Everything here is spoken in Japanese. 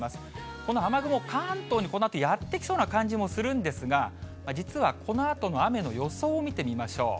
この雨雲、関東にこのあと、やって来そうな感じもするんですが、実はこのあとの雨の予想を見てみましょう。